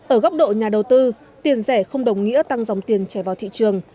ở góc độ nhà đầu tư tiền rẻ không đồng nghĩa tăng dòng tiền chảy vào thị trường